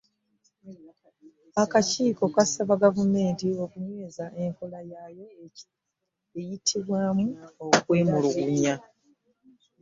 Akakiiko kasaba Gavumenti okunyweza enkola yaayo eyitibwamu okwemulugunya.